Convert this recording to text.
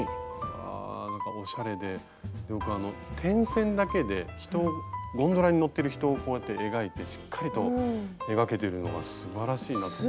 あなんかおしゃれで点線だけで人をゴンドラに乗ってる人をこうやって描いてしっかりと描けてるのがすばらしいなと。